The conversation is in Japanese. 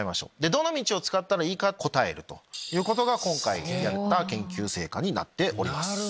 どの道を使ったらいいか答えるということが今回やった研究成果になっております。